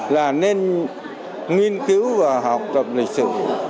là nên nghiên cứu và học tập lịch sử